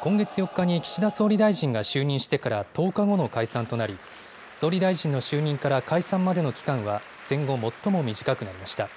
今月４日に岸田総理大臣が就任してから１０日後の解散となり、総理大臣の就任から解散までの期間は、戦後最も短くなりました。